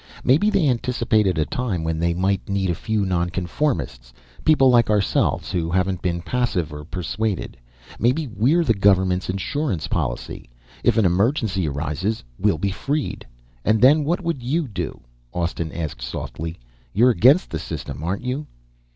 "Maybe they anticipated a time when they might need a few nonconformists. People like ourselves who haven't been passive or persuaded. Maybe we're the government's insurance policy. If an emergency arises, we'll be freed." "And then what would you do?" Austin asked, softly. "You're against the system, aren't you?"